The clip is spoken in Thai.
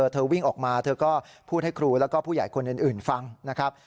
เธอวิ่งออกมาเธอก็พูดให้ครูแล้วก็ผู้ใหญ่คนอื่นฟังนะครับ